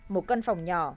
một căn phòng nhỏ